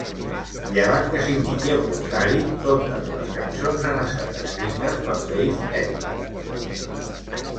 Llevat que s'indiqui el contrari, totes les cançons han estat escrites per Leif Edling.